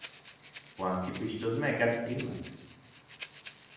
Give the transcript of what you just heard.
Juan kipixtok mekatl imak.